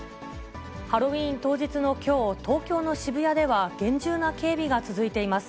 ハロウィーン当日のきょう、東京の渋谷では、厳重な警備が続いています。